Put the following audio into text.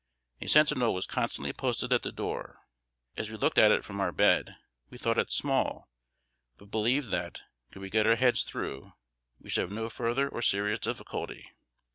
A sentinel was constantly posted at the door. As we looked at it from our bed, we thought it small, but believed that, could we get our heads through, we should have no further or serious difficulty.